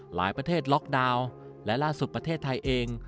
หลายประเทศล็อกดาวน์และล่าสุดประเทศไทยเอง